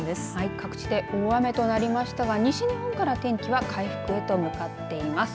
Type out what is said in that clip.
各地で大雨となりましたが西日本から天気は回復へと向かっています。